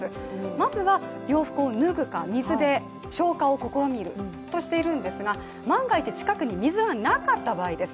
まずは洋服を脱ぐか水で消火を試みるとしているんですが万が一近くに水がなかった場合です